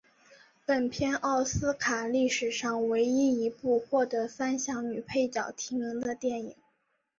本片奥斯卡历史上唯一一部获得三项女配角提名的电影。